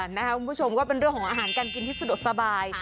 คุณผู้ชมก็เป็นเรื่องของอาหารการกินที่สะดวกสบาย